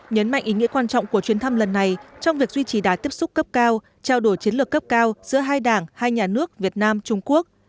nhấn mạnh ý nghĩa quan trọng của chuyến thăm lần này trong việc duy trì đá tiếp xúc cấp cao trao đổi chiến lược cấp cao giữa hai đảng hai nhà nước việt nam trung quốc